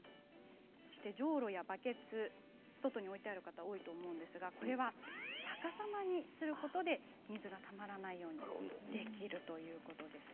じょうろやバケツを外に置いている方多いと思うんですがこれは逆さまにすることで水がたまらないようにできるということです。